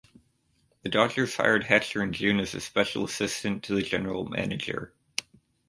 The Dodgers hired Hatcher in June as a special assistant to the General Manager.